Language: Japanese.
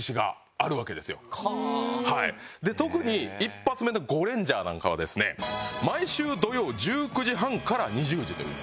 で特に１発目の『ゴレンジャー』なんかはですね毎週土曜１９時半から２０時という。